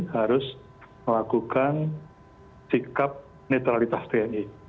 harus melakukan sikap netralitas tni